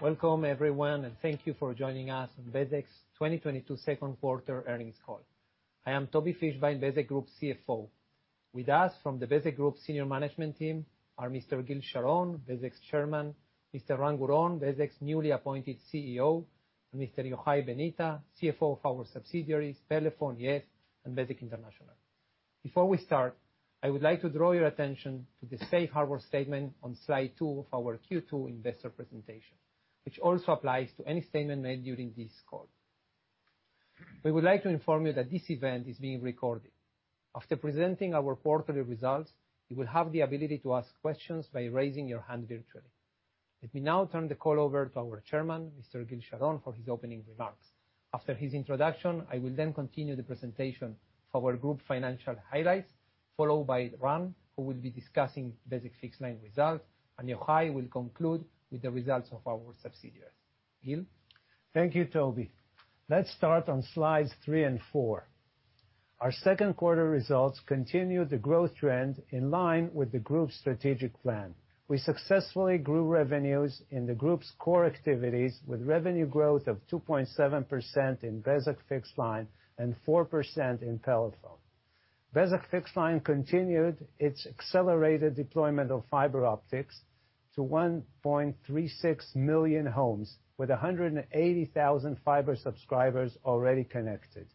Welcome everyone and thank you for joining us on Bezeq's 2022 second quarter earnings call. I am Tobi Fischbein, Bezeq Group CFO. With us from the Bezeq Group senior management team are Mr. Gil Sharon, Bezeq's chairman, Mr. Ran Guron, Bezeq's newly appointed CEO and Mr. Yohai Benita, CFO of our subsidiaries, Pelephone, Yes and Bezeq International. Before we start, I would like to draw your attention to the safe harbor statement on slide two of our Q2 investor presentation, which also applies to any statement made during this call. We would like to inform you that this event is being recorded. After presenting our quarterly results, you will have the ability to ask questions by raising your hand virtually. Let me now turn the call over to our chairman, Mr. Gil Sharon, for his opening remarks. After his introduction, I will then continue the presentation of our group financial highlights, followed by Ran, who will be discussing Bezeq Fixed-Line results and Yohai will conclude with the results of our subsidiaries. Gil? Thank you, Tobi. Let's start on slides three and four. Our second quarter results continue the growth trend in line with the group's strategic plan. We successfully grew revenues in the group's core activities with revenue growth of 2.7% in Bezeq Fixed-Line and 4% in Pelephone. Bezeq Fixed-Line continued its accelerated deployment of fiber optics to 1.36 million homes, with 180,000 fiber subscribers already connected.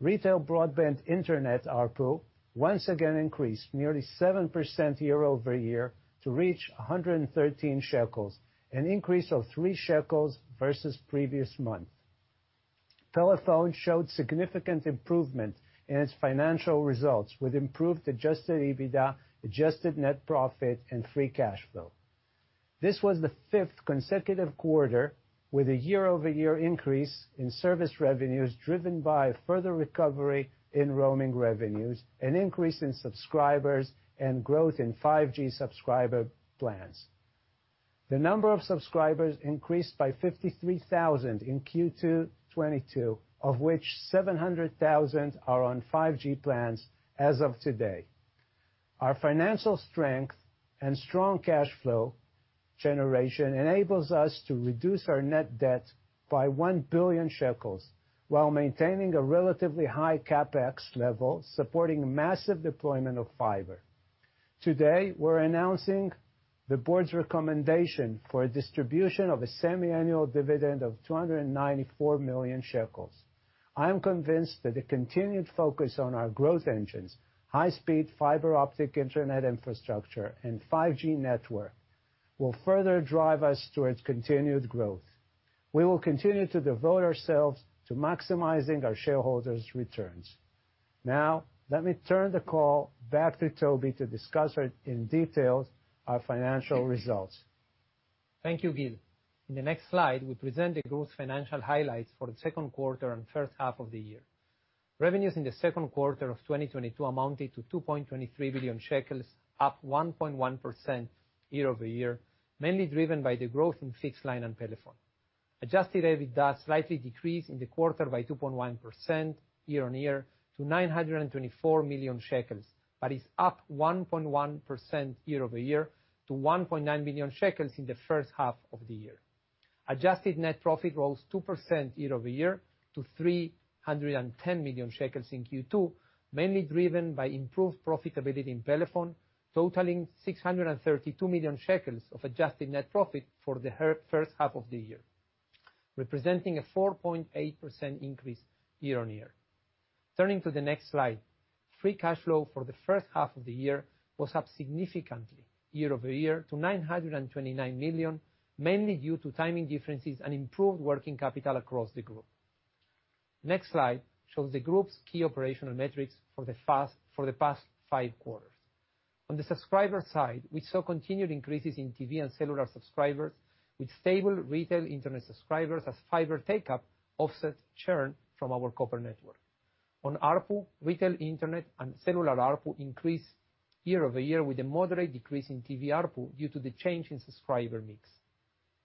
Retail broadband internet ARPU once again increased nearly 7% year-over-year to reach 113 shekels, an increase of 3 shekels versus previous month. Pelephone showed significant improvement in its financial results, with improved adjusted EBITDA, adjusted net profit and free cash flow. This was the fifth consecutive quarter with a year-over-year increase in service revenues driven by further recovery in roaming revenues, an increase in subscribers and growth in 5G subscriber plans. The number of subscribers increased by 53,000 in Q2 2022, of which 700,000 are on 5G plans as of today. Our financial strength and strong cash flow generation enables us to reduce our net debt by 1 billion shekels while maintaining a relatively high CapEx level, supporting massive deployment of fiber. Today, we're announcing the board's recommendation for a distribution of a semiannual dividend of 294 million shekels. I am convinced that the continued focus on our growth engines, high-speed fiber optic internet infrastructure and 5G network will further drive us towards continued growth. We will continue to devote ourselves to maximizing our shareholders' returns. Now, let me turn the call back to Tobi to discuss in detail our financial results. Thank you, Gil. In the next slide, we present the group's financial highlights for the second quarter and first half of the year. Revenues in the second quarter of 2022 amounted to 2.23 billion shekels, up 1.1% year-over-year, mainly driven by the growth in Fixed Line and Pelephone. Adjusted EBITDA slightly decreased in the quarter by 2.1% year-over-year to 924 million shekels but is up 1.1% year-over-year to 1.9 billion shekels in the first half of the year. Adjusted net profit rose 2% year-over-year to 310 million shekels in Q2, mainly driven by improved profitability in Pelephone, totaling 632 million shekels of adjusted net profit for the first half of the year, representing a 4.8% increase year-over-year. Turning to the next slide, free cash flow for the first half of the year was up significantly year-over-year to 929 million, mainly due to timing differences and improved working capital across the group. Next slide shows the group's key operational metrics for the past five quarters. On the subscriber side, we saw continued increases in TV and cellular subscribers, with stable retail internet subscribers as fiber take-up offset churn from our copper network. On ARPU, retail internet and cellular ARPU increased year-over-year with a moderate decrease in TV ARPU due to the change in subscriber mix.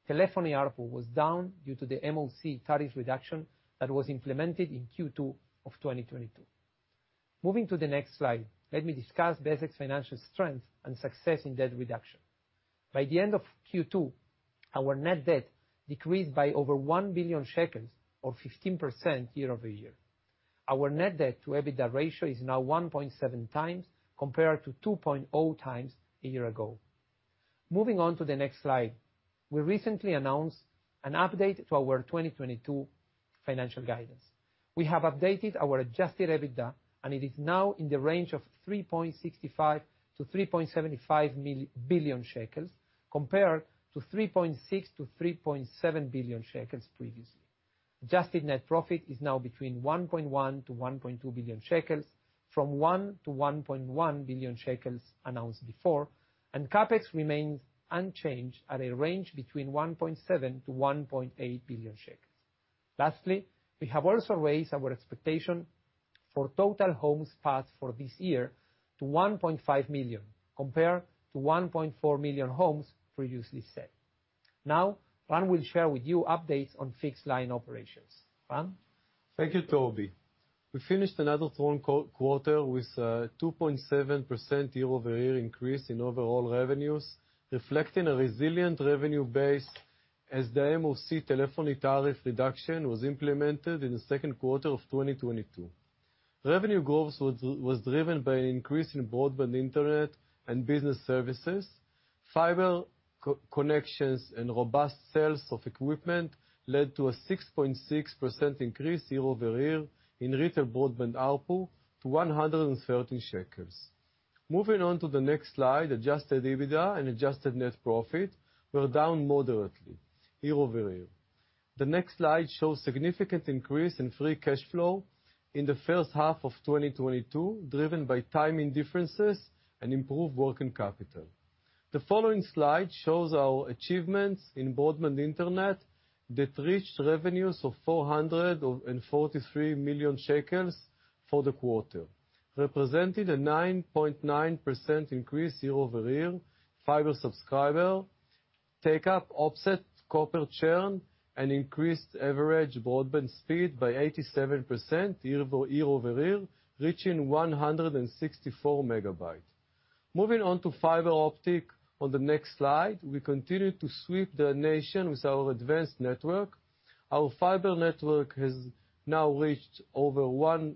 Telephony ARPU was down due to the MOC tariff reduction that was implemented in Q2 of 2022. Moving to the next slide, let me discuss Bezeq's financial strength and success in debt reduction. By the end of Q2, our net debt decreased by over 1 billion shekels or 15% year-over-year. Our net debt to EBITDA ratio is now 1.7 times, compared to 2.0 times a year ago. Moving on to the next slide. We recently announced an update to our 2022 financial guidance. We have updated our adjusted EBITDA and it is now in the range of 3.65 billion-3.75 billion shekels, compared to 3.6 billion-3.7 billion shekels previously. Adjusted net profit is now between 1.1 billion-1.2 billion shekels, from 1 billion-1.1 billion shekels announced before and CapEx remains unchanged at a range between 1.7 billion-1.8 billion shekels. Lastly, we have also raised our expectation for total homes passed for this year to 1.5 million, compared to 1.4 million homes previously set. Now, Ran will share with you updates on Fixed Line operations. Ran? Thank you, Tobi. We finished another strong quarter with 2.7% year-over-year increase in overall revenues, reflecting a resilient revenue base as the MOC telephony tariff reduction was implemented in the second quarter of 2022. Revenue growth was driven by an increase in broadband internet and business services. Fiber connections and robust sales of equipment led to a 6.6% increase year-over-year in retail broadband ARPU to 113 shekels. Moving on to the next slide, adjusted EBITDA and adjusted net profit were down moderately year-over-year. The next slide shows significant increase in free cash flow in the first half of 2022, driven by timing differences and improved working capital. The following slide shows our achievements in broadband internet that reached revenues of 443 million shekels for the quarter, representing a 9.9% increase year-over-year. Fiber subscriber take-up offset copper churn and increased average broadband speed by 87% year-over-year, reaching 164 megabits. Moving on to fiber optic on the next slide, we continue to sweep the nation with our advanced network. Our fiber network has now reached over 1.36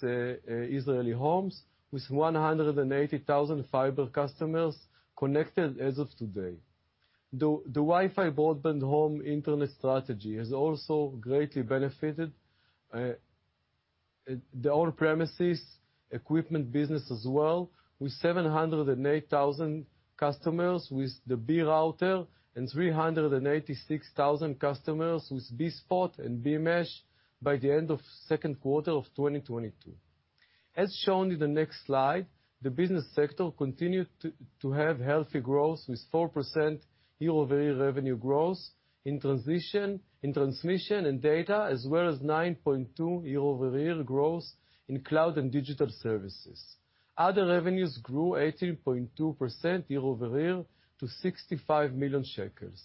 million Israeli homes, with 180,000 fiber customers connected as of today. The Wi-Fi broadband home internet strategy has also greatly benefited the on-premises equipment business as well, with 708,000 customers with the Be Router and 386,000 customers with Be Spot and Be Mesh by the end of second quarter of 2022. As shown in the next slide, the business sector continued to have healthy growth with 4% year-over-year revenue growth in transmission and data, as well as 9.2% year-over-year growth in cloud and digital services. Other revenues grew 18.2% year-over-year to 65 million shekels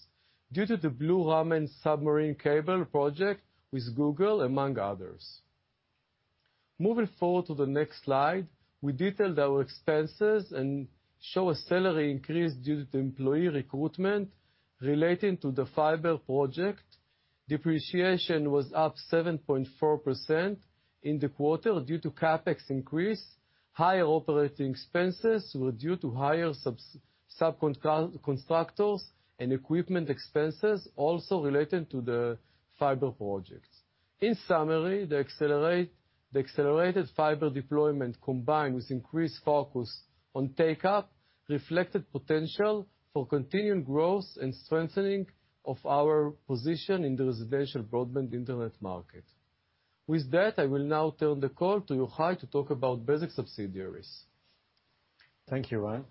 due to the Blue-Raman submarine cable project with Google, among others. Moving forward to the next slide, we detailed our expenses and show a salary increase due to employee recruitment relating to the fiber project. Depreciation was up 7.4% in the quarter due to CapEx increase. Higher operating expenses were due to higher subcontractors and equipment expenses also related to the fiber projects. In summary, the accelerated fiber deployment, combined with increased focus on take-up, reflected potential for continued growth and strengthening of our position in the residential broadband internet market. With that, I will now turn the call to Yohai to talk about Bezeq subsidiaries. Thank you, Ran.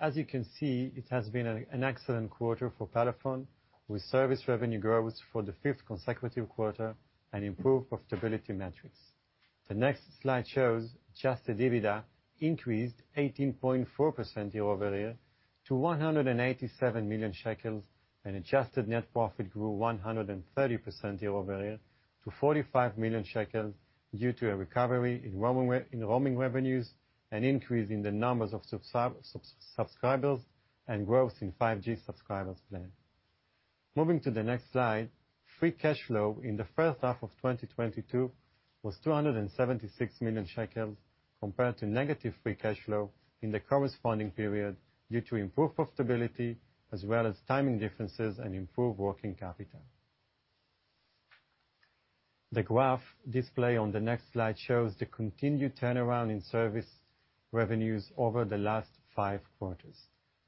As you can see, it has been an excellent quarter for Pelephone, with service revenue growth for the fifth consecutive quarter and improved profitability metrics. The next slide shows adjusted EBITDA increased 18.4% year-over-year to 187 million shekels and adjusted net profit grew 130% year-over-year to 45 million shekels due to a recovery in roaming revenues, an increase in the numbers of subscribers and growth in 5G subscribers plan. Moving to the next slide, free cash flow in the first half of 2022 was 276 million shekel compared to negative free cash flow in the corresponding period due to improved profitability as well as timing differences and improved working capital. The graph displayed on the next slide shows the continued turnaround in service revenues over the last five quarters.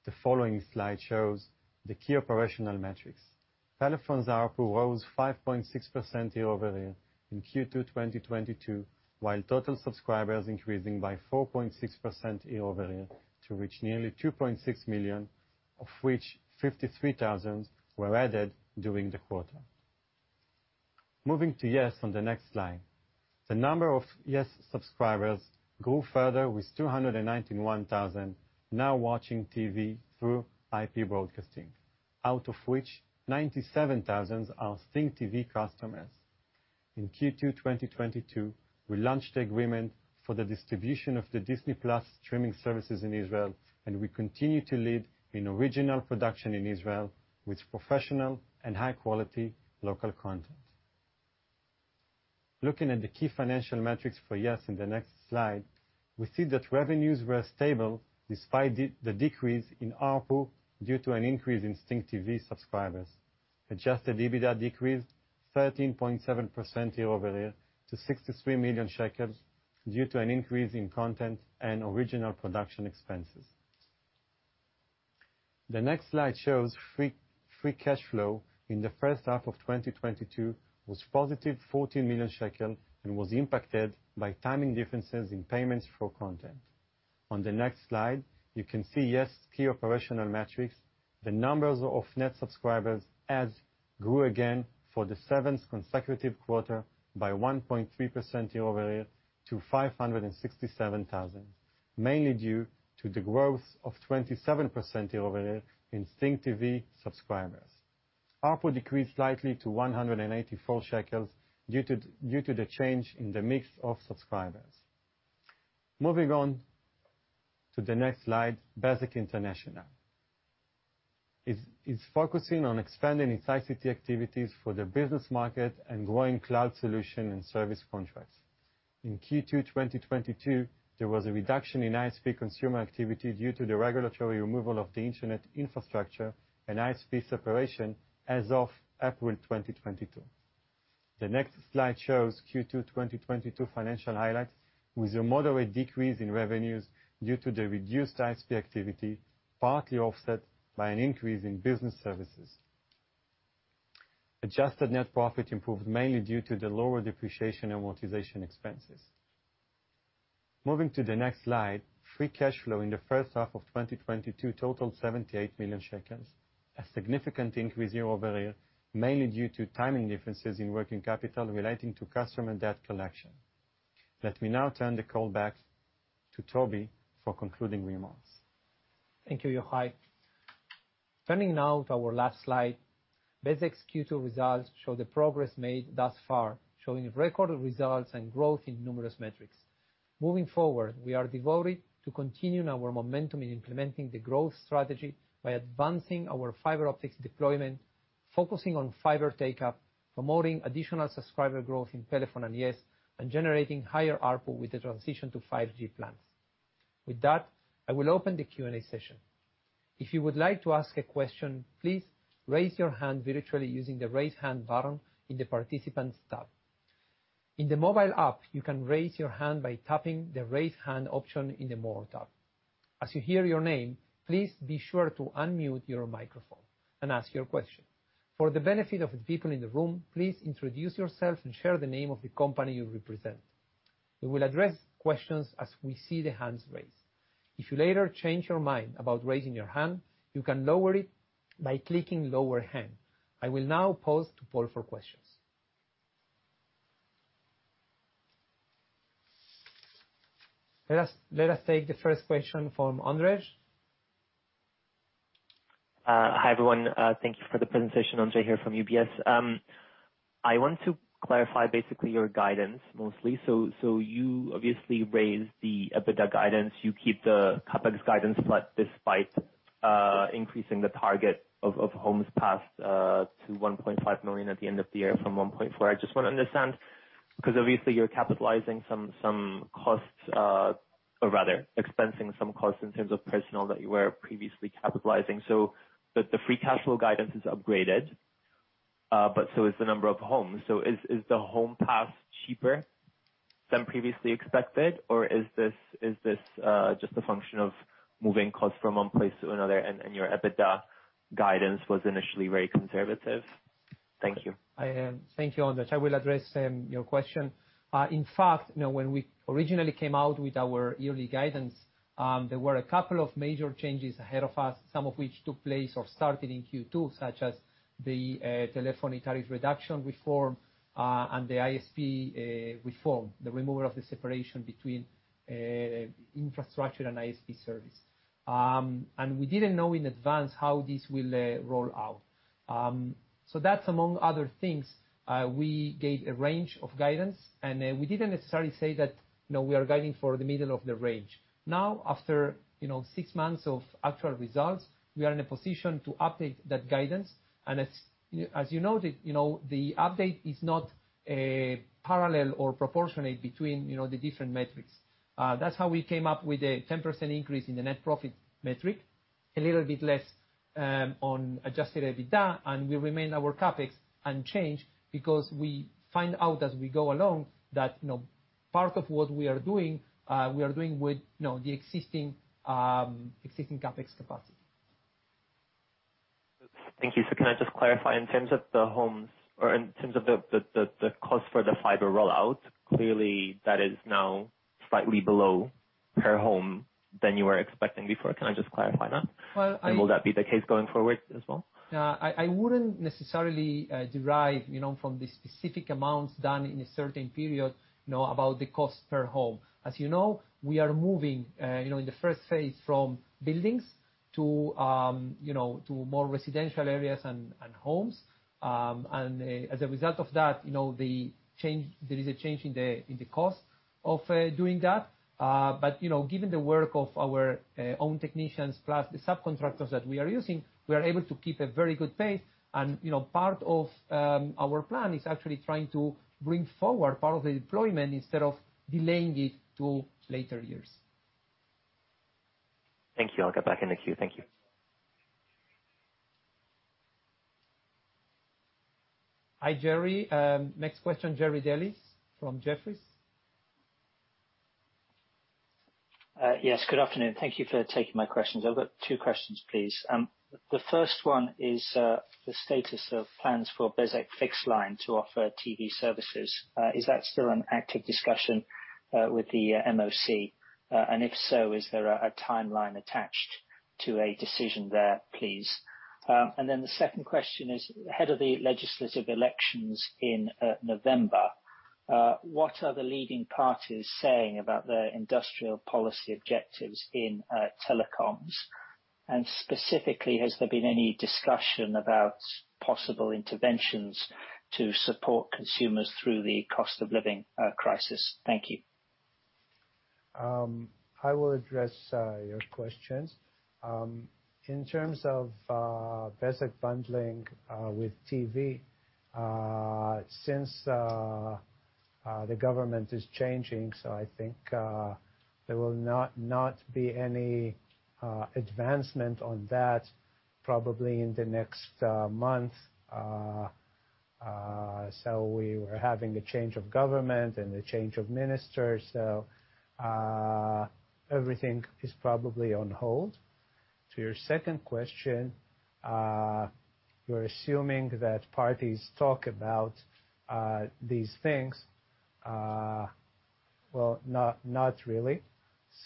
The following slide shows the key operational metrics. Pelephone's ARPU rose 5.6% year-over-year in Q2 2022, while total subscribers increasing by 4.6% year-over-year to reach nearly 2.6 million, of which 53,000 were added during the quarter. Moving to Yes on the next slide. The number of Yes subscribers grew further with 291,000 now watching TV through IP broadcasting, out of which 97,000 are STINGTV customers. In Q2 2022, we launched the agreement for the distribution of the Disney+ streaming services in Israel and we continue to lead in original production in Israel with professional and high-quality local content. Looking at the key financial metrics for Yes in the next slide, we see that revenues were stable despite the decrease in ARPU due to an increase in STINGTV subscribers. Adjusted EBITDA decreased 13.7% year-over-year to 63 million shekels due to an increase in content and original production expenses. The next slide shows free cash flow in the first half of 2022 was positive 40 million shekel and was impacted by timing differences in payments for content. On the next slide, you can see Yes key operational metrics. The number of net subscribers grew again for the seventh consecutive quarter by 1.3% year-over-year to 567,000. Mainly due to the growth of 27% year-over-year in STINGTV subscribers. ARPU decreased slightly to 184 shekels due to the change in the mix of subscribers. Moving on to the next slide, Bezeq International is focusing on expanding its ICT activities for the business market and growing cloud solution and service contracts. In Q2 2022, there was a reduction in ISP consumer activity due to the regulatory removal of the internet infrastructure and ISP separation as of April 2022. The next slide shows Q2 2022 financial highlights, with a moderate decrease in revenues due to the reduced ISP activity, partly offset by an increase in business services. Adjusted net profit improved mainly due to the lower depreciation and amortization expenses. Moving to the next slide, free cash flow in the first half of 2022 totaled 78 million shekels, a significant increase year-over-year, mainly due to timing differences in working capital relating to customer debt collection. Let me now turn the call back to Tobi for concluding remarks. Thank you, Yohai. Turning now to our last slide. Bezeq's Q2 results show the progress made thus far, showing record results and growth in numerous metrics. Moving forward, we are devoted to continuing our momentum in implementing the growth strategy by advancing our fiber optics deployment, focusing on fiber takeup, promoting additional subscriber growth in Pelephone and Yes and generating higher ARPU with the transition to 5G plans. With that, I will open the Q&A session. If you would like to ask a question, please raise your hand virtually using the Raise Hand button in the Participants tab. In the mobile app, you can raise your hand by tapping the Raise Hand option in the More tab. As you hear your name, please be sure to unmute your microphone and ask your question. For the benefit of the people in the room, please introduce yourself and share the name of the company you represent. We will address questions as we see the hands raised. If you later change your mind about raising your hand, you can lower it by clicking Lower Hand. I will now pause to poll for questions. Let us take the first question from Ondrej. Hi, everyone. Thank you for the presentation. Ondrej here from UBS. I want to clarify basically your guidance mostly. You obviously raised the EBITDA guidance. You keep the CapEx guidance flat despite increasing the target of homes passed to 1.5 million at the end of the year from 1.4. I just wanna understand, 'cause obviously you're capitalizing some costs or rather expensing some costs in terms of personnel that you were previously capitalizing. The free cash flow guidance is upgraded but so is the number of homes. Is the home pass cheaper than previously expected or is this just a function of moving costs from one place to another and your EBITDA guidance was initially very conservative? Thank you. I thank you, Ondrej. I will address your question. In fact, you know, when we originally came out with our yearly guidance, there were a couple of major changes ahead of us, some of which took place or started in Q2, such as the Pelephone tariff reduction reform and the ISP reform, the removal of the separation between infrastructure and ISP service. We didn't know in advance how this will roll out. That's among other things. We gave a range of guidance and we didn't necessarily say that, you know, we are guiding for the middle of the range. Now, after you know, six months of actual results, we are in a position to update that guidance. As you know, the update is not parallel or proportionate between, you know, the different metrics. That's how we came up with a 10% increase in the net profit metric, a little bit less on adjusted EBITDA and we remain our CapEx unchanged because we find out as we go along that, you know, part of what we are doing, we are doing with the existing CapEx capacity. Thank you. Can I just clarify in terms of the homes or in terms of the cost for the fiber rollout, clearly that is now slightly below per home than you were expecting before. Can I just clarify that? Will that be the case going forward as well? I wouldn't necessarily derive, you know, from the specific amounts done in a certain period, you know, about the cost per home. As you know, we are moving, you know, in the first phase from buildings to more residential areas and homes. As a result of that, you know, there is a change in the cost of doing that. You know, given the work of our own technicians plus the subcontractors that we are using, we are able to keep a very good pace and, you know, part of our plan is actually trying to bring forward part of the deployment instead of delaying it to later years. Thank you. I'll get back in the queue. Thank you. Hi, Jerry. Next question, Jerry Dellis from Jefferies. Yes, good afternoon. Thank you for taking my questions. I've got two questions, please. The first one is, the status of plans for Bezeq Fixed-Line to offer TV services. Is that still an active discussion with the MOC? And if so, is there a timeline attached? To a decision there, please. Then the second question is: ahead of the legislative elections in November, what are the leading parties saying about their industrial policy objectives in telecoms? Specifically, has there been any discussion about possible interventions to support consumers through the cost of living crisis? Thank you. I will address your questions. In terms of basic bundling with TV, since the government is changing, so I think there will not be any advancement on that probably in the next month. We were having a change of government and a change of minister, so everything is probably on hold. To your second question, you're assuming that parties talk about these things. Well, not really.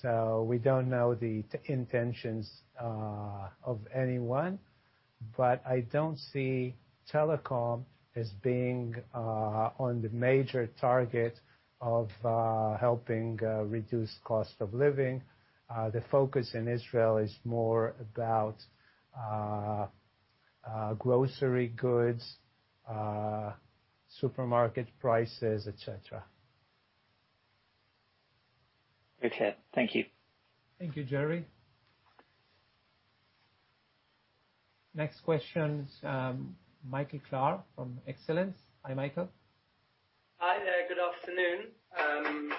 We don't know the intentions of anyone. I don't see telecom as being on the major target of helping reduce cost of living. The focus in Israel is more about grocery goods, supermarket prices, et cetera. Okay. Thank you. Thank you, Jerry. Next question is, Michael Klahr from Excellence Nessuah. Hi, Michael. Hi there. Good afternoon.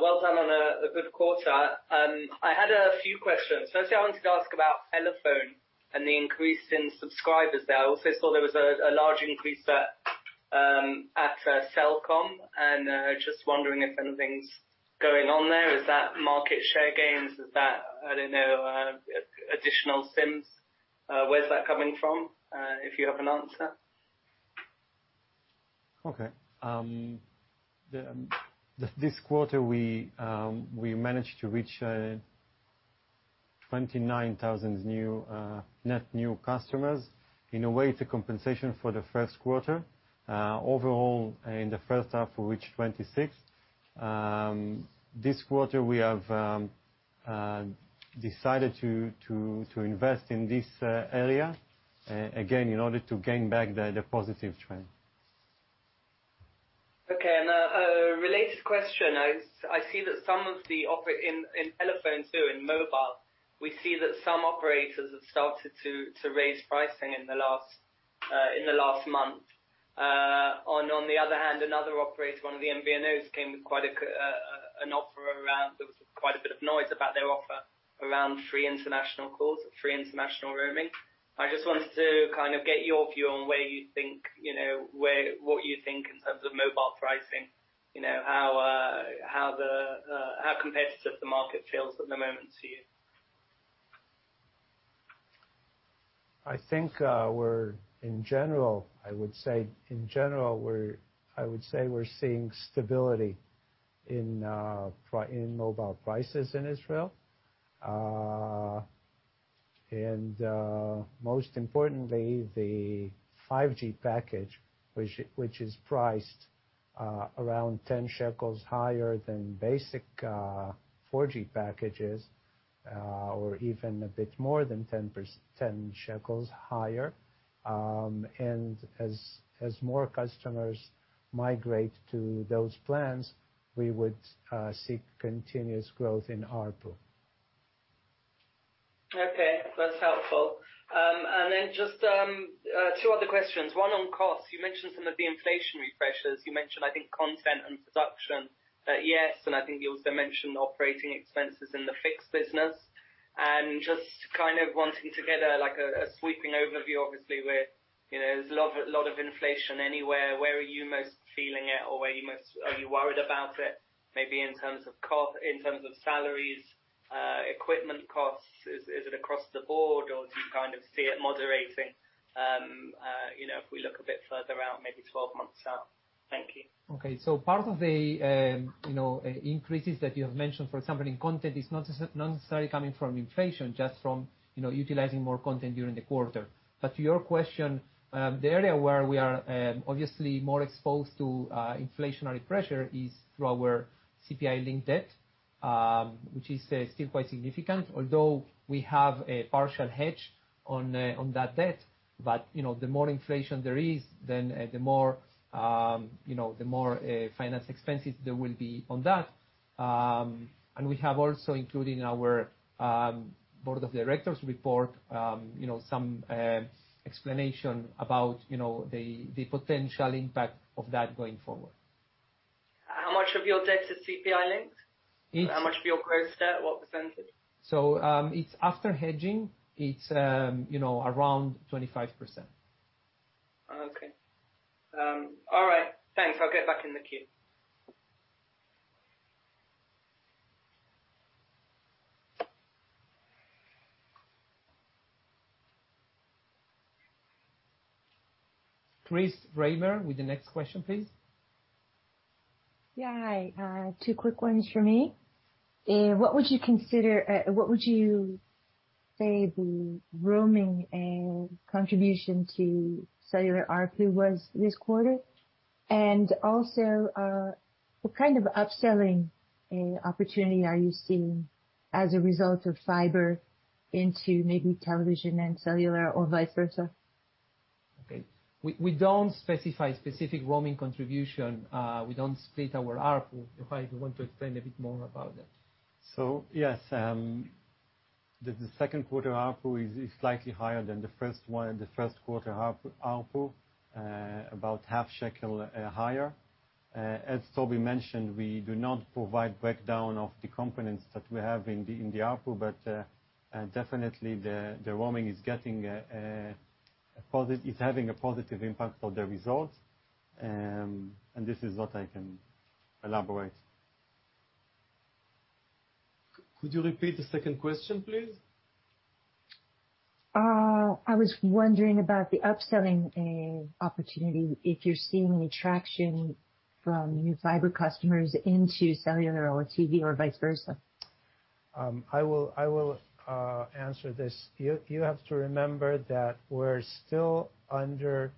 Well done on a good quarter. I had a few questions. Firstly, I wanted to ask about Pelephone and the increase in subscribers there. I also saw there was a large increase at Cellcom and just wondering if anything's going on there. Is that market share gains? Is that, I don't know, additional SIMs? Where's that coming from, if you have an answer? Okay. This quarter, we managed to reach 29,000 net new customers. In a way, it's a compensation for the first quarter. Overall, in the first half, we reached 26,000. This quarter, we have decided to invest in this area again, in order to gain back the positive trend. Okay. A related question, I see that some of the operators. In Pelephone, too, in mobile, we see that some operators have started to raise pricing in the last month. On the other hand, another operator, one of the MVNOs, came with quite an offer around. There was quite a bit of noise about their offer around free international calls, free international roaming. I just wanted to kind of get your view on where you think, you know, what you think in terms of mobile pricing. You know, how competitive the market feels at the moment to you. I think in general I would say we're seeing stability in mobile prices in Israel. Most importantly, the 5G package, which is priced around 10 shekels higher than basic 4G packages or even a bit more than 10 shekels higher. As more customers migrate to those plans, we would see continuous growth in ARPU. Okay. That's helpful. Then just two other questions, one on costs. You mentioned some of the inflationary pressures. You mentioned, I think, content and production. Yes and I think you also mentioned operating expenses in the fixed business. Just kind of wanting to get like a sweeping overview, obviously, where you know there's a lot of inflation anywhere. Where are you most feeling it or where are you most worried about it, maybe in terms of salaries, equipment costs? Is it across the board or do you kind of see it moderating, you know, if we look a bit further out, maybe 12 months out? Thank you. Okay. Part of the, you know, increases that you have mentioned, for example, in content, is not necessarily coming from inflation, just from, you know, utilizing more content during the quarter. To your question, the area where we are, obviously more exposed to, inflationary pressure is through our CPI-linked debt, which is, still quite significant. Although we have a partial hedge on that debt but, you know, the more inflation there is, then, the more, you know, the more, finance expenses there will be on that. We have also included in our, board of directors report, you know, some, explanation about, you know, the potential impact of that going forward. How much of your debt is CPI linked? How much for your? It's after hedging, it's a you know around 25%. Okay. Alright, thanks I'll get back to the queue. Chris Reimer with the next question, please. Yeah. Hi, two quick ones for me. What would you say the roaming and contribution to cellular ARPU was this quarter? Also, what kind of upselling opportunity are you seeing as a result of fiber into maybe television and cellular or vice versa? We don't specify specific roaming contribution. We don't split our ARPU. Do you want to explain a bit more about that? The second quarter ARPU is slightly higher than the first one, the first quarter ARPU, about half shekel higher. As Tobi mentioned, we do not provide breakdown of the components that we have in the ARPU but definitely the roaming is having a positive impact on the results and this is what I can elaborate. Could you repeat the second question, please? I was wondering about the upselling opportunity, if you're seeing any traction from new fiber customers into cellular or TV or vice versa. I will answer this. You have to remember that we're still under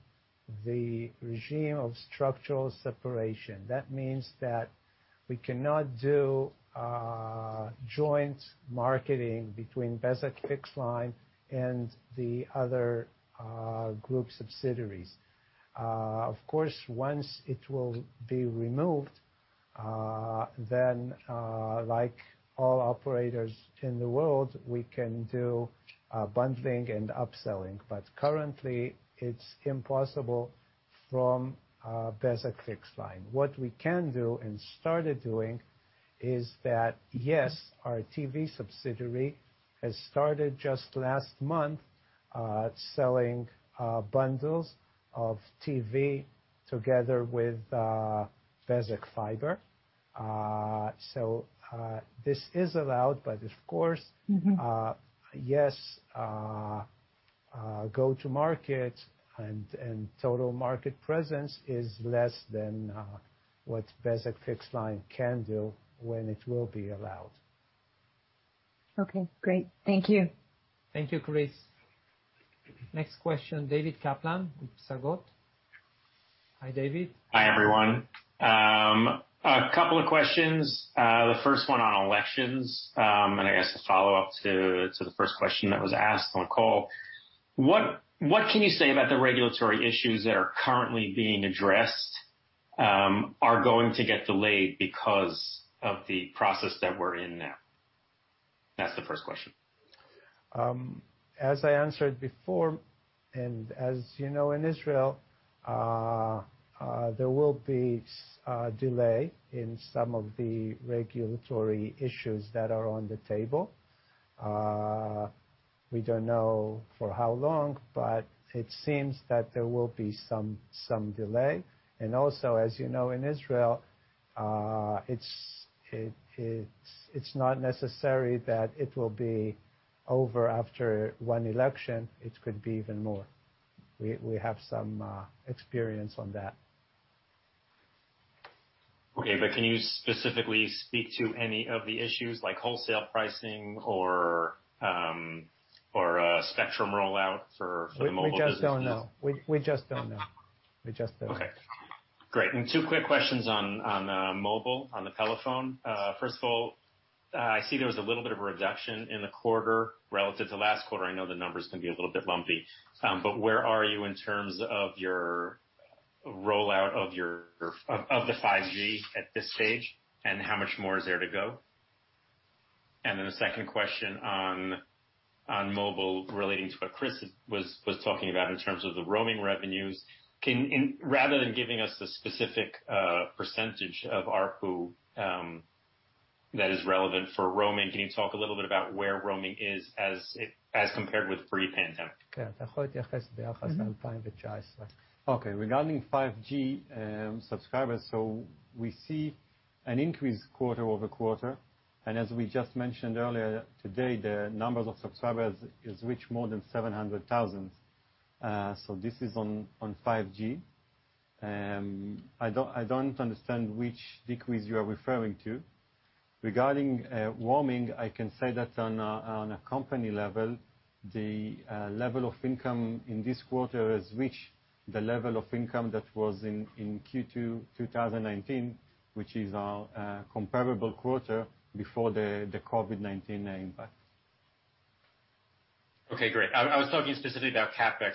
the regime of structural separation. That means that we cannot do joint marketing between Bezeq Fixed-Line and the other group subsidiaries. Of course, once it will be removed, then, like all operators in the world, we can do bundling and upselling. Currently it's impossible from Bezeq Fixed-Line. What we can do and started doing is that Yes, our TV subsidiary has started just last month selling bundles of TV together with Bezeq Fiber. This is allowed but of course. Go to market and total market presence is less than what Bezeq Fixed-Line can do when it will be allowed. Okay. Great. Thank you. Thank you, Chris. Next question, David Kaplan, Psagot. Hi, David. Hi, everyone. A couple of questions, the first one on elections and I guess to follow up to the first question that was asked on the call. What can you say about the regulatory issues that are currently being addressed, are going to get delayed because of the process that we're in now? That's the first question. As I answered before and as you know in Israel, there will be delay in some of the regulatory issues that are on the table. We don't know for how long but it seems that there will be some delay. Also, as you know, in Israel, it's not necessary that it will be over after one election. It could be even more. We have some experience on that. Okay. Can you specifically speak to any of the issues like wholesale pricing or spectrum rollout for the mobile businesses? We just don't know. Okay. Great. Two quick questions on mobile, on the telephone. First of all, I see there was a little bit of a reduction in the quarter relative to last quarter. I know the numbers can be a little bit lumpy but where are you in terms of your rollout of your 5G at this stage and how much more is there to go? The second question on mobile relating to what Chris was talking about in terms of the roaming revenues. Rather than giving us the specific percentage of ARPU that is relevant for roaming, can you talk a little bit about where roaming is as compared with pre-pandemic? Okay. Regarding 5G subscribers, so we see an increase quarter-over-quarter and as we just mentioned earlier today, the numbers of subscribers has reached more than 700,000. This is on 5G. I don't understand which decrease you are referring to. Regarding roaming, I can say that on a company level, the level of income in this quarter has reached the level of income that was in Q2 2019, which is our comparable quarter before the COVID-19 impact. Okay, great. I was talking specifically about CapEx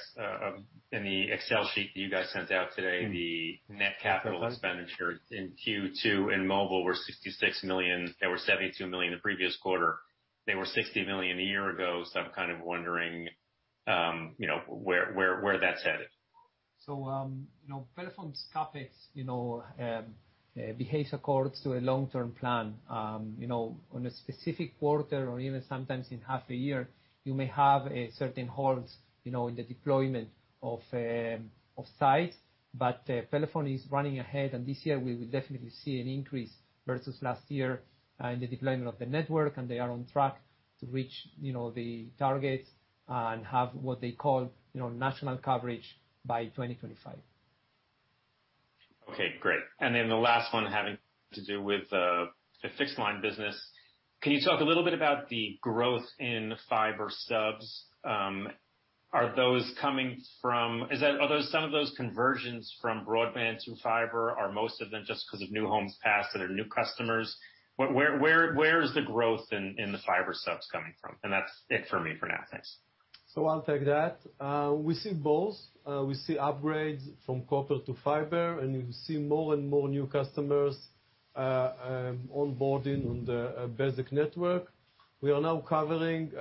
in the Excel sheet you guys sent out today. The net capital expenditure. In Q2 in mobile were 66 million. They were 72 million the previous quarter. They were 60 million a year ago. I'm kind of wondering, you know, where that's headed. you know, telephones CapEx, you know, behaves according to a long-term plan. you know, on a specific quarter or even sometimes in half a year, you may have a certain halt, you know, in the deployment of sites. Pelephone is running ahead and this year we will definitely see an increase versus last year in the deployment of the network and they are on track to reach, you know, the target and have what they call, you know, national coverage by 2025. Okay, great. The last one having to do with the fixed line business. Can you talk a little bit about the growth in fiber subs? Are those coming from? Are those some of those conversions from broadband to fiber? Are most of them just 'cause of new homes passed that are new customers? Where is the growth in the fiber subs coming from? That's it for me for now. Thanks. I'll take that. We see both. We see upgrades from copper to fiber and we see more and more new customers onboarding on the Bezeq network. We are now covering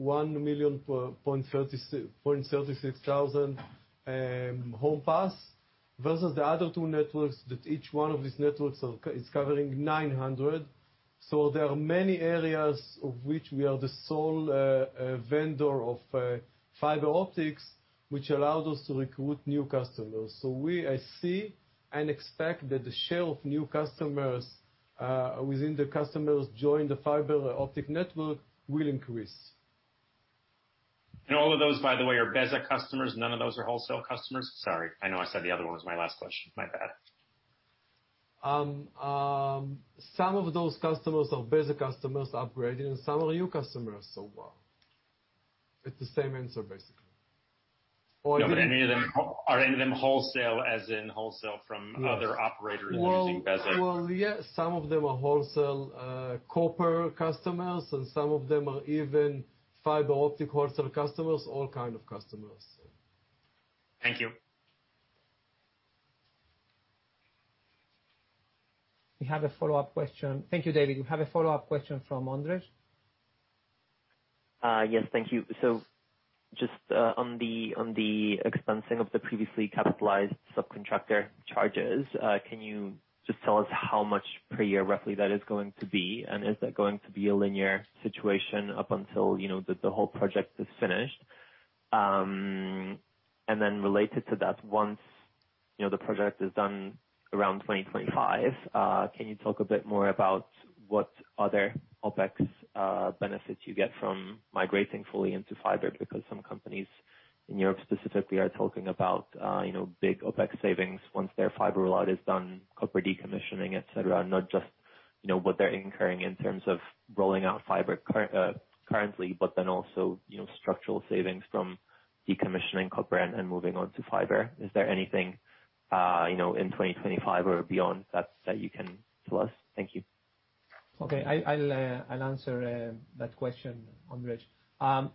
1,036,000 home pass versus the other two networks that each one of these networks is covering 900. There are many areas of which we are the sole vendor of fiber optics, which allow us to recruit new customers. We see and expect that the share of new customers within the customers joining the fiber optic network will increase. All of those, by the way, are Bezeq customers. None of those are wholesale customers? Sorry, I know I said the other one was my last question. My bad. Some of those customers are Bezeq customers upgrading and some are new customers overall. It's the same answer, basically. Are any of them wholesale as in wholesale from other operators using Bezeq? Well, yes, some of them are wholesale, copper customers and some of them are even fiber optic wholesale customers. All kind of customers. Thank you. We have a follow-up question. Thank you, David. We have a follow-up question from Ondrej. Yes, thank you. Just, on the expensing of the previously capitalized subcontractor charges, can you just tell us how much per year roughly that is going to be? Is that going to be a linear situation up until, you know, the whole project is finished? Related to that, once, you know, the project is done around 2025, can you talk a bit more about what other OpEx benefits you get from migrating fully into fiber? Because some companies in Europe specifically are talking about, you know, big OpEx savings once their fiber rollout is done, copper decommissioning, et cetera, not just, you know, what they're incurring in terms of rolling out fiber currently but then also, you know, structural savings from decommissioning copper and moving on to fiber. Is there anything, you know, in 2025 or beyond that you can tell us? Thank you. Okay. I'll answer that question, Ondrej.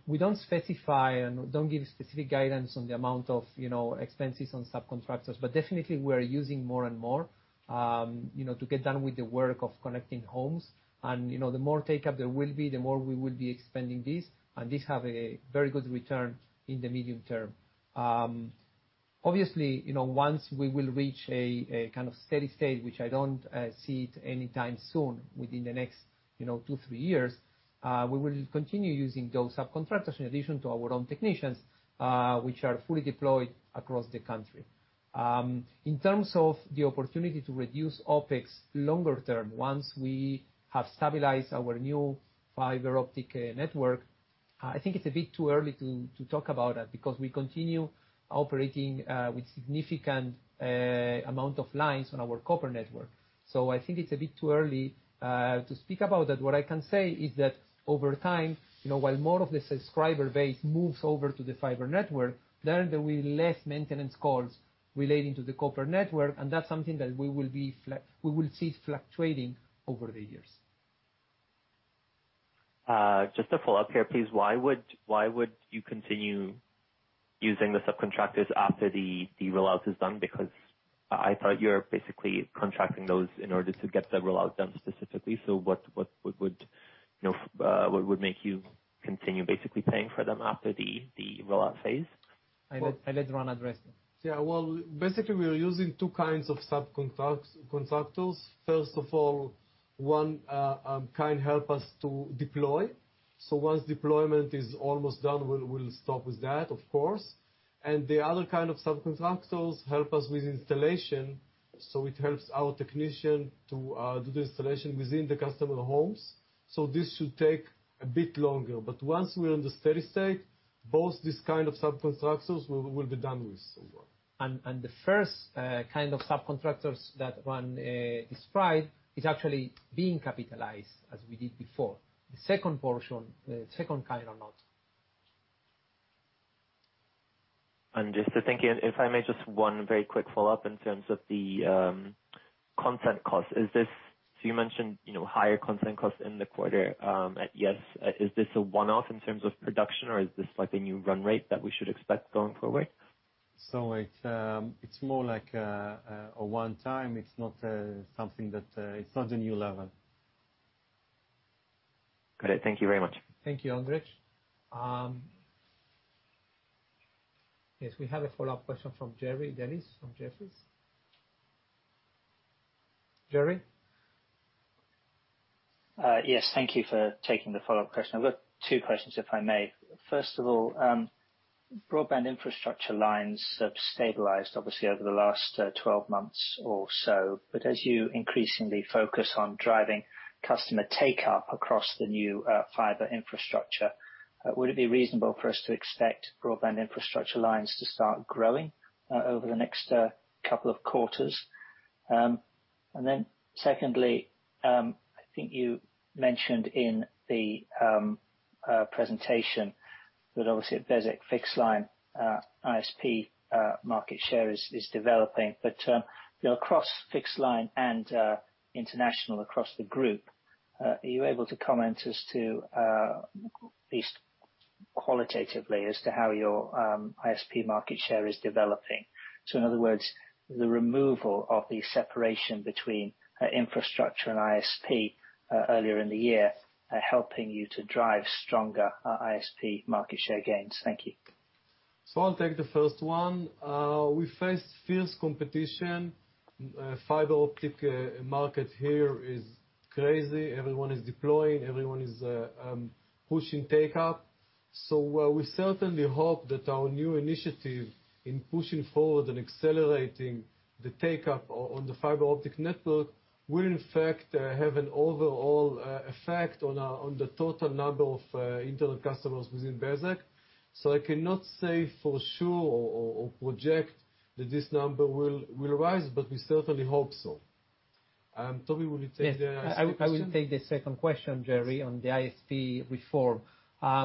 We don't specify and don't give specific guidance on the amount of, you know, expenses on subcontractors but definitely we're using more and more, you know, to get done with the work of connecting homes. You know, the more take-up there will be, the more we will be expanding this and this have a very good return in the medium term. Obviously, you know, once we will reach a kind of steady state, which I don't see it anytime soon within the next, you know, two, three years, we will continue using those subcontractors in addition to our own technicians, which are fully deployed across the country. In terms of the opportunity to reduce OpEx longer term, once we have stabilized our new fiber optic network, I think it's a bit too early to talk about that because we continue operating with significant amount of lines on our copper network. I think it's a bit too early to speak about that. What I can say is that over time, you know, while more of the subscriber base moves over to the fiber network, then there will be less maintenance calls relating to the copper network and that's something that we will see fluctuating over the years. Just to follow up here, please. Why would you continue using the subcontractors after the rollout is done? Because I thought you're basically contracting those in order to get the rollout done specifically. What would make you continue basically paying for them after the rollout phase? I let Ran address it. Yeah. Well, basically, we're using two kinds of subcontractors. First of all, one kind help us to deploy. Once deployment is almost done, we'll stop with that, of course. The other kind of subcontractors help us with installation, so it helps our technician to do the installation within the customer homes, so this should take a bit longer. Once we're in the steady state, both this kind of subcontractors we will be done with overall. The first kind of subcontractors that Ran described is actually being capitalized as we did before. The second portion, the second kind are not. Just to thank you, if I may, just one very quick follow-up in terms of the content cost. You mentioned, you know, higher content cost in the quarter at Yes. Is this a one-off in terms of production or is this like a new run rate that we should expect going forward? It's more like a one-time. It's not a new level. Got it. Thank you very much. Thank you, Ondrej. Yes, we have a follow-up question from Jerry Dellis from Jefferies. Jerry? Yes. Thank you for taking the follow-up question. I've got two questions, if I may. First of all, broadband infrastructure lines have stabilized obviously over the last 12 months or so. As you increasingly focus on driving customer take-up across the new fiber infrastructure, would it be reasonable for us to expect broadband infrastructure lines to start growing over the next couple of quarters? Second, I think you mentioned in the presentation that obviously Bezeq Fixed-Line ISP market share is developing but you know, across Fixed-Line and international across the group, are you able to comment as to at least qualitatively as to how your ISP market share is developing? In other words, the removal of the separation between infrastructure and ISP earlier in the year are helping you to drive stronger ISP market share gains. Thank you. I'll take the first one. We face fierce competition. Fiber optic market here is crazy. Everyone is deploying, everyone is pushing take-up. While we certainly hope that our new initiative in pushing forward and accelerating the take-up on the fiber optic network will in fact have an overall effect on the total number of internet customers within Bezeq. I cannot say for sure or project that this number will rise but we certainly hope so. Tobi, will you take the ISP question? Yes. I will take the second question, Jerry, on the ISP reform.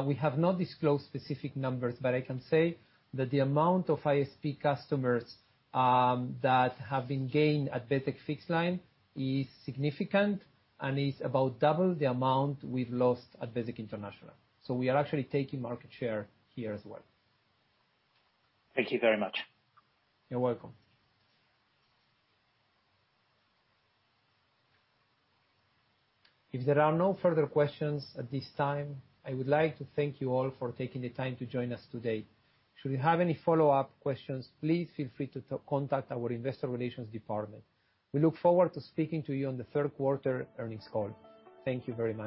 We have not disclosed specific numbers but I can say that the amount of ISP customers that have been gained at Bezeq Fixed-Line is significant and is about double the amount we've lost at Bezeq International. We are actually taking market share here as well. Thank you very much. You're welcome. If there are no further questions at this time, I would like to thank you all for taking the time to join us today. Should you have any follow-up questions, please feel free to contact our investor relations department. We look forward to speaking to you on the third quarter earnings call. Thank you very much.